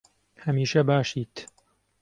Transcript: هەمیشە باشیت.